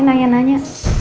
tidak ada yang nanya